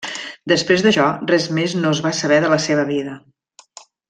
Després d'això res més no es va saber de la seva vida.